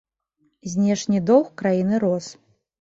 Знешні доўг краіны рос.